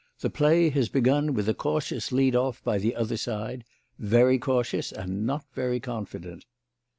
"The play has begun with a cautious lead off by the other side. Very cautious, and not very confident."